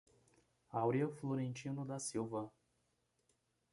Aurea Florentino da Silva